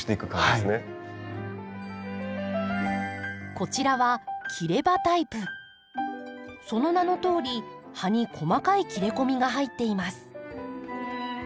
こちらはその名のとおり葉に細かい切れ込みが入っています。